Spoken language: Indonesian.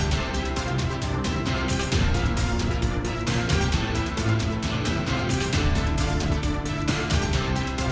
terima kasih pak soni